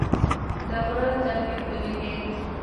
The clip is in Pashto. د غره زرکې ښکلې دي